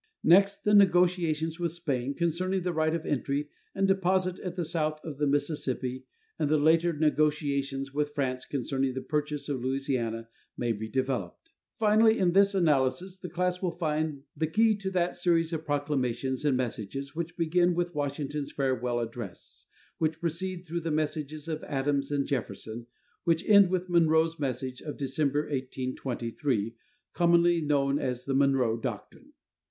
Next the negotiations with Spain concerning the right of entry and deposit at the mouth of the Mississippi and the later negotiations with France concerning the purchase of Louisiana may be developed. Finally in this analysis the class will find the key to that series of proclamations and messages which begin with Washington's Farewell Address, which proceed through the messages of Adams and Jefferson, which end with Monroe's message of December, 1823, commonly known as the Monroe Doctrine.